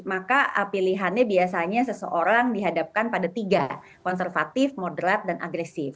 maka pilihannya biasanya seseorang dihadapkan pada tiga konservatif moderat dan agresif